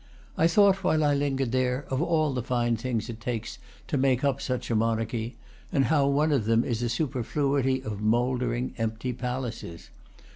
I thought, while I lingered there, of all the fine things it takes to make up such a monarchy; and how one of them is a su perfluity of mouldering, empty, palaces.